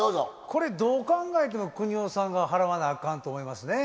これどう考えてもくにおさんが払わなあかんと思いますね。